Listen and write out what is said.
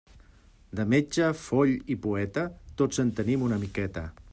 De metge, foll i poeta, tots en tenim una miqueta.